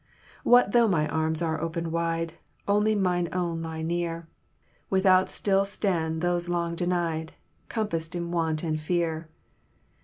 What though my arms are open wide, Only mine own lie near, Without still stand those long denied, Compassed in want and fear.